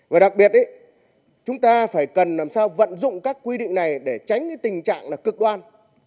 và đặc biệt chúng ta phải cần làm sao vận dụng các quy định này để tránh cái tình trạng là cực đoan